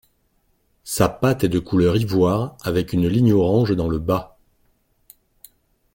Sa pâte est de couleur ivoire avec une ligne orange dans le bas.